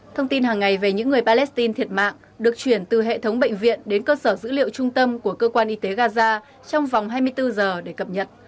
thông tin hàng ngày về những người palestine thiệt mạng được chuyển từ hệ thống bệnh viện đến cơ sở dữ liệu trung tâm của cơ quan y tế gaza trong vòng hai mươi bốn giờ để cập nhật